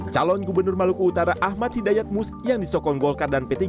calon gubernur maluku utara ahmad hidayat mus yang disokong golkar dan p tiga